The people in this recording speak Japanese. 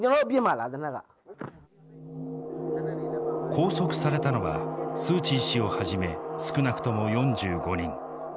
拘束されたのはスー・チー氏をはじめ少なくとも４５人。